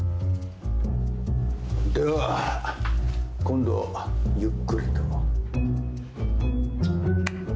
では今度ゆっくりと。